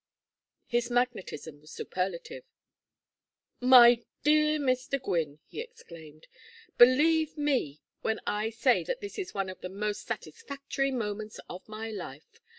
His magnetism was superlative. "My dear Mr. Gwynne!" he exclaimed. "Believe me when I say that this is one of the most satisfactory moments of my life.